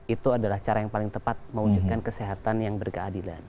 itu adalah cara yang paling tepat mewujudkan kesehatan yang berkeadilan